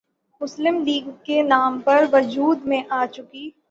مسلم League کے نام پر وجود میں آ چکی